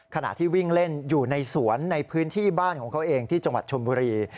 ขณะที่วิ่งเล่นอยู่ในสวนในพื้นที่บ้านของเขาเองที่จังหวัดชนบุรี